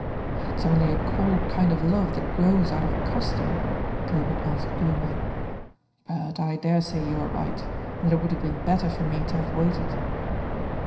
"It is only a cold kind of love that grows out of custom," Gilbert answered gloomily. "But I daresay you are right, and that it would have been better for me to have waited."